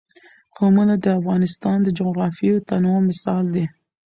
قومونه د افغانستان د جغرافیوي تنوع مثال دی.